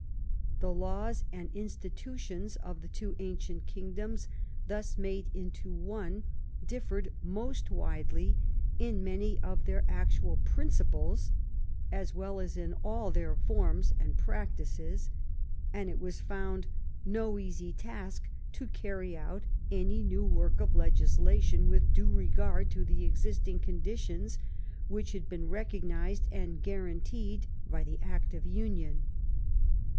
The laws and institutions of the two ancient kingdoms thus made into one diflfered most widely in many of their actual principles as well as in all their forms and practices, and it was found no easy task to carry out any new work of legislation with due regard to the existing condi tions which had been recognized and guaranteed by the act of union.